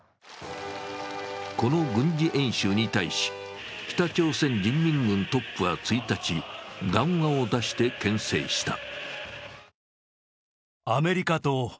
この軍事演習に対し、北朝鮮人民軍トップは１日、談話を出してけん制した。